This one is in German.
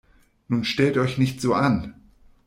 Nun stellt euch nicht so an!